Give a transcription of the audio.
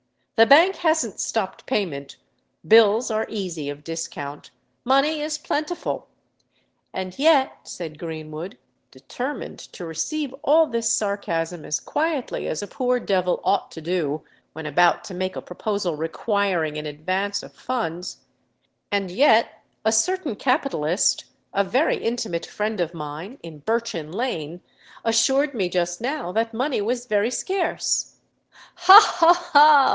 The Bank hasn't stopped payment—bills are easy of discount—money is plentiful——" "And yet," said Greenwood, determined to receive all this sarcasm as quietly as a poor devil ought to do when about to make a proposal requiring an advance of funds,—"and yet a certain capitalist—a very intimate friend of mine, in Birchin Lane—assured me just now that money was very scarce." "Ha! ha! ha!"